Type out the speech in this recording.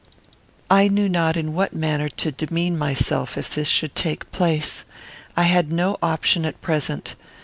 I knew not in what manner to demean myself if this should take place. I had no option at present.